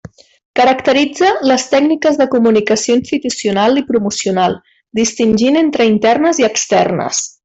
Caracteritza les tècniques de comunicació institucional i promocional, distingint entre internes i externes.